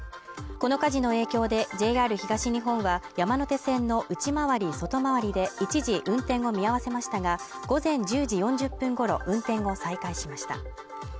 この火事の影響でＪＲ東日本は山手線の内回り外回りで一時運転を見合わせましたが午前１０時４０分ごろ運転を再開しました